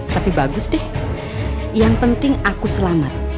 tapi bagus deh yang penting aku selamat